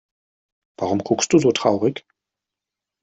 Warum guckst du so traurig?